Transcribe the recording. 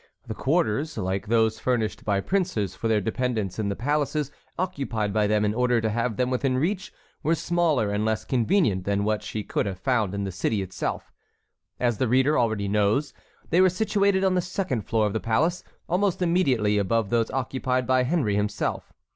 The quarters, like those furnished by princes for their dependents in the palaces occupied by them in order to have them within reach, were smaller and less convenient than what she could have found in the city itself. As the reader already knows, they were situated on the second floor of the palace, almost immediately above those occupied by Henry himself.